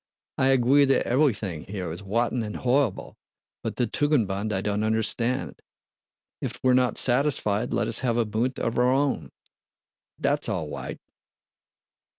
"I agwee that evewything here is wotten and howwible, but the Tugendbund I don't understand. If we're not satisfied, let us have a bunt of our own. That's all wight.